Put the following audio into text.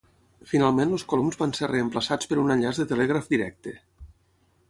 Finalment els coloms van ser reemplaçats per un enllaç de telègraf directe.